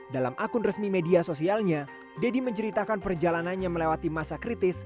dalam akun resmi media sosialnya deddy menceritakan perjalanannya melewati masa kritis